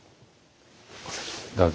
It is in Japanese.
どうぞ。